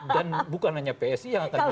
dan bukan hanya psi yang akan menjual